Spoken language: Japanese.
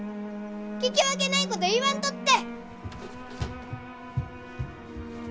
聞き分けないこと言わんとって！